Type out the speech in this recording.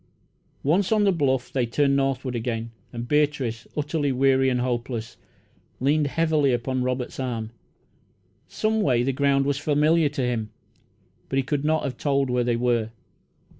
Once on the bluff they turned northward again, and Beatrice, utterly weary and hopeless, leaned heavily upon Robert's arm. Some way, the ground was familiar to him, but he could not have told where they were.